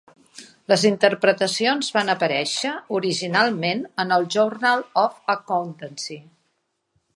Les Interpretacions van aparèixer originalment en el "Journal of Accountancy".